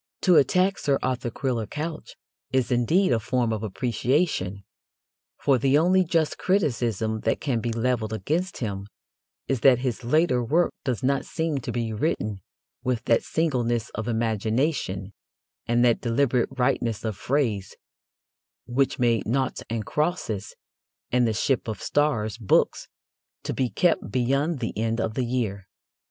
To attack Sir Arthur Quiller Couch is, indeed, a form of appreciation, for the only just criticism that can be levelled against him is that his later work does not seem to be written with that singleness of imagination and that deliberate rightness of phrase which made Noughts and Crosses and The Ship of Stars books to be kept beyond the end of the year.